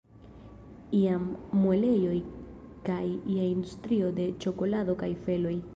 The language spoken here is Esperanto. Iam muelejoj kaj ia industrio de ĉokolado kaj feloj.